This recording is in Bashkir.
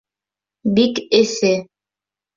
Бик эҫе